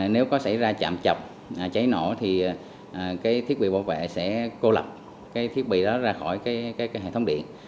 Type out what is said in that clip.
nếu có xảy ra chạm chập cháy nổ thì thiết bị bảo vệ sẽ cô lập thiết bị đó ra khỏi hệ thống điện